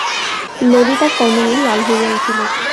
ললিতার কর্ণমূল লাল হইয়া উঠিল।